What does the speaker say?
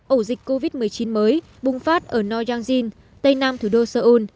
ổ dịch covid một mươi chín mới bùng phát ở noryangjin tây nam thủ đô seoul